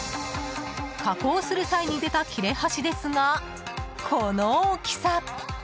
加工する際に出た切れ端ですがこの大きさ。